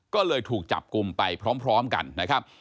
ก็เลยถูกจับกลุ่มไปพร้อมกันนะครับ